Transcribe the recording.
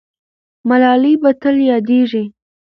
ملالۍ به تل یادېږي.